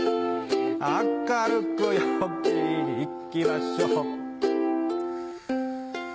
明るく陽気にいきましょう